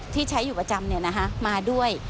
ที่ใช้อยู่ประจำมาด้วย